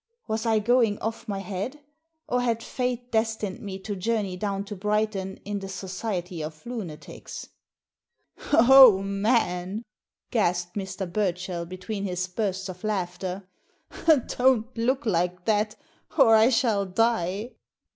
Was I going off my head ? Or had fate destined me to journey down to Brighton in the society of lunatics ?Oh, man !" gasped Mr. Burchell between his bursts of laughter, "don't look like that, or I shall die